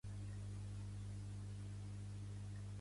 Per què s'anomenen així els ilotes, segons Pausànies?